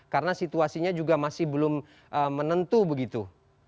karena situasinya juga masih belum menentu begitu